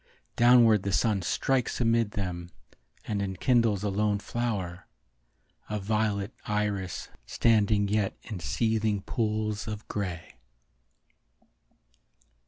Downward the sun strikes amid them And enkindles a lone flower; A violet iris standing yet in seething pools of grey.